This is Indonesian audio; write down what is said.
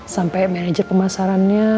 sampai manager pemasarannya